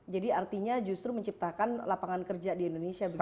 jadi artinya justru menciptakan lapangan kerja di indonesia begitu ya